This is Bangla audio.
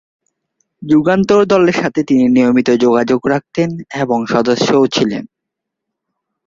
যুগান্তর দলের সাথে তিনি নিয়মিত যোগাযোগ রাখতেন এবং সদস্যও ছিলেন।